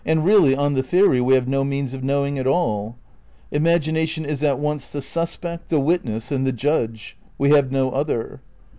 And, really, on the theory, we have no means of knowing at all. Imag ination is at once the suspect, the witness and the judge ; we have no other.